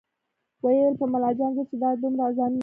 ویل به ملا جان زه چې دا دومره اذانونه کوم